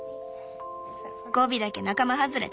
ゴビだけ仲間外れで？